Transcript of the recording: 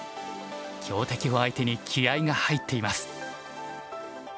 強敵を相手に気合いが入っています。